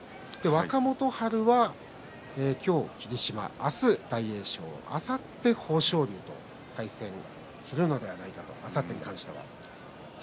若元春は今日、霧島明日は大栄翔、あさっては豊昇龍対戦するのではないかと思っています。